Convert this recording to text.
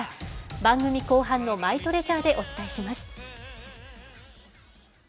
番組後半のマイトレジャーでお伝えします。